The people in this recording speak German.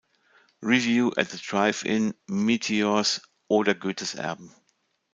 Review, At the Drive-In, Meteors oder Goethes Erben.